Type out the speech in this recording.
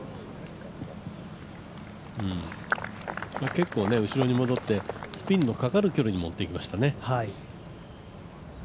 結構後ろに戻って、スピンのかかる距離に持ってきましたね。